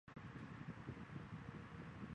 小型化设计正好满足各方所需。